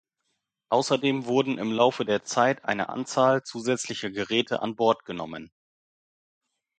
Außerdem wurden im Laufe der Zeit eine Anzahl zusätzlicher Geräte an Bord genommen.